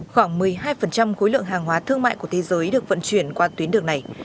khoảng một mươi hai khối lượng hàng hóa thương mại của thế giới được vận chuyển qua tuyến đường này